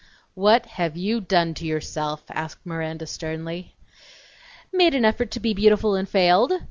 "What have you done to yourself?" asked Miranda sternly. "Made an effort to be beautiful and failed!"